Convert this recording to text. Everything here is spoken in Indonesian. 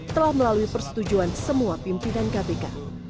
telah melalui persetujuan semua pimpinan kpk